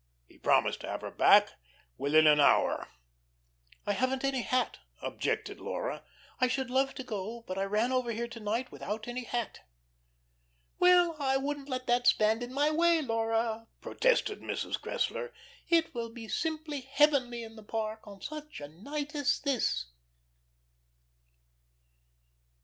He promised to have her back within an hour. "I haven't any hat," objected Laura. "I should love to go, but I ran over here to night without any hat." "Well, I wouldn't let that stand in my way, Laura," protested Mrs. Cressler. "It will be simply heavenly in the Park on such a night as this."